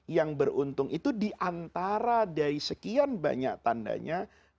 yang beruntung itu diantara dari sekian banyak tandanya